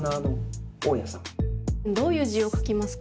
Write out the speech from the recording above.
どういう字を書きますか？